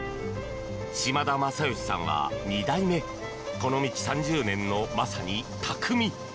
島田真嘉さんは２代目この道３０年の、まさに匠。